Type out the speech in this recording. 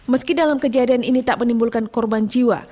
meski dalam kejadian ini tak menimbulkan korban jiwa